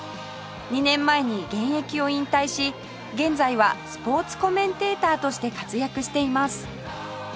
２年前に現役を引退し現在はスポーツコメンテーターとして活躍しています